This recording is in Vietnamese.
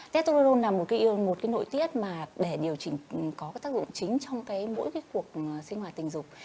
tétotetron là một nội tiết để điều chỉnh có tác dụng chính trong mỗi cuộc sinh hoạt tình dục